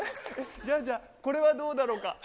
じゃ、じゃあ、これはどうだろうか。